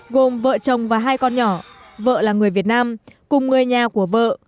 gồm vợ chồng và hai con nhỏ vợ là người việt nam cùng người nhà của vợ